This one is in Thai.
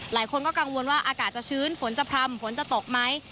หลายคนก็กังวลว่าอากาศจะชื้นฝนจะพร่ำฝนจะตกไหม